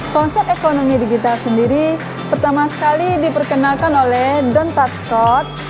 konsep ekonomi digital sendiri pertama sekali diperkenalkan oleh don tap scott